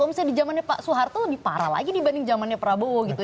misalnya di zamannya pak soeharto lebih parah lagi dibanding zamannya prabowo gitu